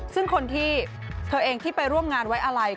ซึ่งคนที่เธอเองที่ไปร่วมงานไว้อะไร